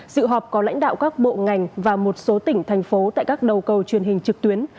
dự họp có lãnh đạo các bộ ngành và một số tỉnh thành phố tại các đầu cầu truyền hình trực tuyến